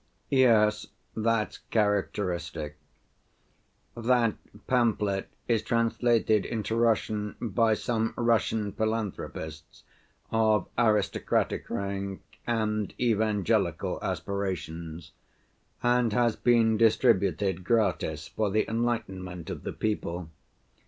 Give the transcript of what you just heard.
Yes, that's characteristic. That pamphlet is translated into Russian by some Russian philanthropists of aristocratic rank and evangelical aspirations, and has been distributed gratis for the enlightenment of the people.